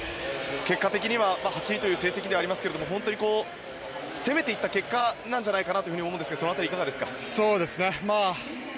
結果的には８位という成績ではありますけれども本当に攻めていった結果なんじゃないかと思うんですがその辺りいかがですか？